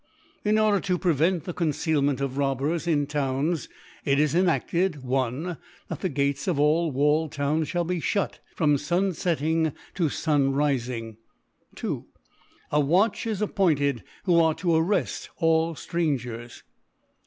In order to prevent the Concealment of Robbers in Towns, it is enadlcd, i/That the Gates of all walled Towns fhall be fhut from Sun fetting to Sun rifing. 2. A Watch is appointed, who are to arreft all Strangers.